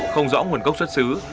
không rõ nguồn gốc xuất xứ